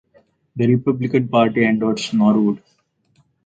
The Republican Party endorsed Norwood.